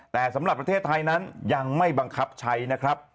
แต่สำหรับประเทศไทยนั้นยังไม่บังคับใช้นะครับ